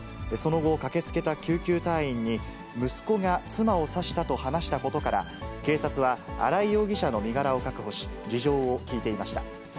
その後、駆けつけた救急隊員に、息子が妻を刺したと話したことから、警察は新井容疑者の身柄を確保し、事情を聴いていました。